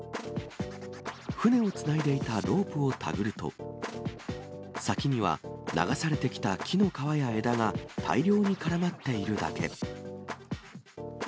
船をつないでいたロープを手繰ると、先には、流されてきた木の皮や枝が大量に絡まっているだけ。